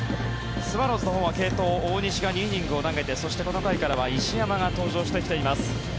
スワローズのほうは継投大西が２イニングを投げてそして、この回からは石山が登場してきています。